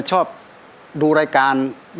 โดยเชียร์มวยไทยรัฐมาแล้ว